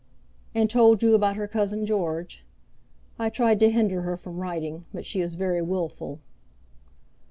"And told you about her cousin George. I tried to hinder her from writing, but she is very wilful."